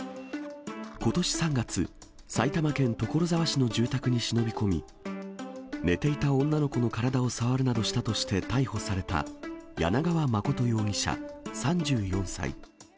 ことし３月、埼玉県所沢市の住宅に忍び込み、寝ていた女の子の体を触るなどして逮捕された柳川実容疑者３４歳。